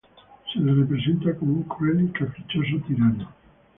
Se le representa como un cruel y caprichoso tirano.